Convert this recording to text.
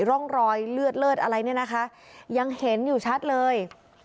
ร่องรอยเลือดเลิศอะไรเนี่ยนะคะยังเห็นอยู่ชัดเลย